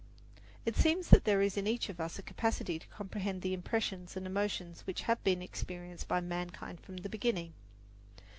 It seems to me that there is in each of us a capacity to comprehend the impressions and emotions which have been experienced by mankind from the beginning.